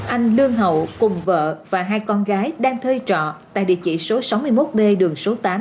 anh lương hậu cùng vợ và hai con gái đang thuê trọ tại địa chỉ số sáu mươi một b đường số tám